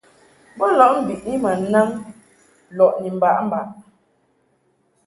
Bo lɔʼ mbiʼni ma naŋ lɔʼ ni mbaʼmbaʼ.